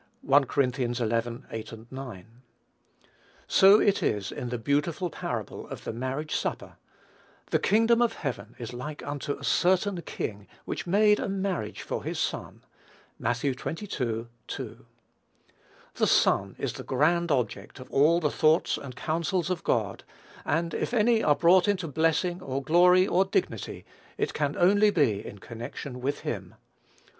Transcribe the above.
(1 Cor. xi. 8, 9.) So it is in the beautiful parable of the marriage supper; "the kingdom of heaven is like unto a certain king which made a marriage for his son." (Matt. xxii. 2.) THE SON is the grand object of all the thoughts and counsels of God: and if any are brought into blessing, or glory, or dignity, it can only be in connection with him.